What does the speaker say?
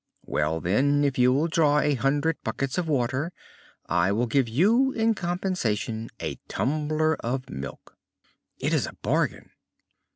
"Well, then, if you will draw a hundred buckets of water, I will give you in compensation a tumbler of milk." "It is a bargain."